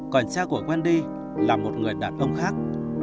còn cha của wendy là một người đàn ông khác